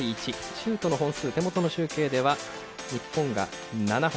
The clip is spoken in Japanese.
シュートの本数、手元の集計では日本が７本。